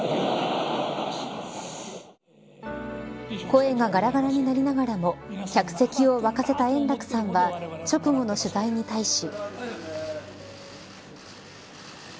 声ががらがらになりながらも客席を沸かせた円楽さんは直後の取材に対し。